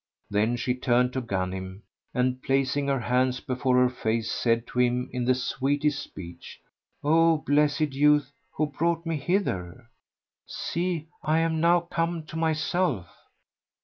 then she turned to Ghanim and, placing her hands before her face, said to him in the sweetest speech, "O blessed youth, who brought me hither? See, I am now come to myself."